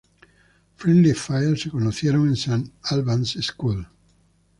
Friendly Fires se conocieron en St Albans School.